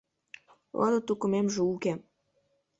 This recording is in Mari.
Родо тукымемже уке.